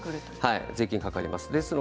税金がかかります。